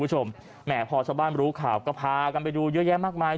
แหมพอชาวบ้านรู้ข่าวก็พากันไปดูเยอะแยะมากมาย